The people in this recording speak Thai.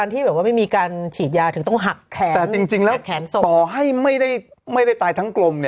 ต่อให้ไม่ได้ตายทั้งกรม